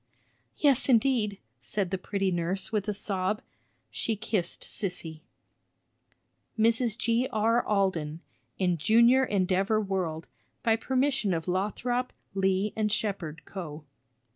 "Yes, indeed!" said the pretty nurse, with a sob; she kissed Sissy. _Mrs. G.R. Alden, in Junior Endeavor World, by permission of Lothrop, Lee & Shepard Co.